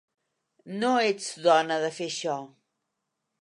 No ets dona de fer això!